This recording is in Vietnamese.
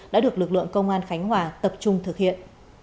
đã được lực lượng công an khánh hòa tập trung thực hiện